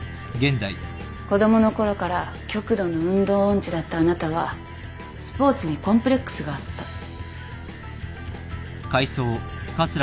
子供のころから極度の運動音痴だったあなたはスポーツにコンプレックスがあった。